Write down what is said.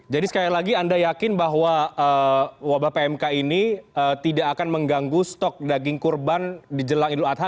jadi sekali lagi anda yakin bahwa wabah pmk ini tidak akan mengganggu stok daging kurban di jelang idul adha